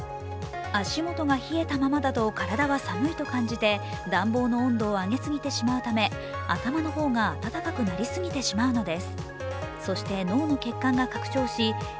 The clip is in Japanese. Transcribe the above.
足元が冷えたままだと体は寒いと感じて暖房の温度を上げすぎてしまうため、頭の方があたたかくなりすぎてしまうのです。